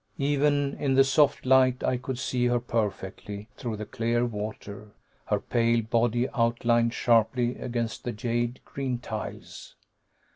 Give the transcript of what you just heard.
Even in the soft light I could see her perfectly, through the clear water, her pale body outlined sharply against the jade green tiles.